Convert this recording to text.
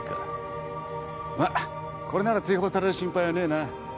まあこれなら追放される心配はねえな。